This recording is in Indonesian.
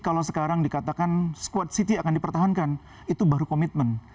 katakan squad city akan dipertahankan itu baru komitmen